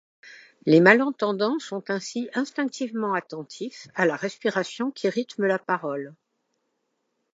Les malentendants sont ainsi instinctivement attentifs à la respiration qui rythme la parole.